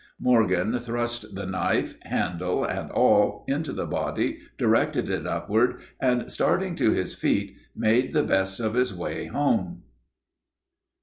Morgan thrust the knife, handle and all, into the body, directed it upward, and, starting to his feet, made the best of his way home.